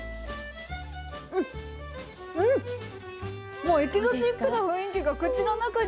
もうエキゾチックな雰囲気が口の中に広がります。